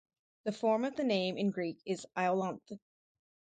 The form of the name in Greek is "Iolanthe".